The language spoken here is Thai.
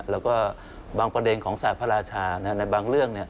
แล้วก็บางประเด็นของศาสตร์พระราชาในบางเรื่อง